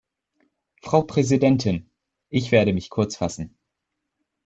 Frau Präsidentin! Ich werde mich kurzfassen.